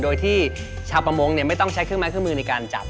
โดยที่ชาวประมงไม่ต้องใช้เครื่องไม้เครื่องมือในการจับ